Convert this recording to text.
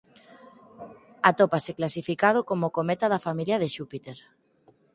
Atópase clasificado como cometa da familia de Xúpiter.